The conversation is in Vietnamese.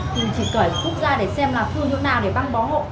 thì chỉ cởi phút ra để xem là thương như thế nào để băng bó hộ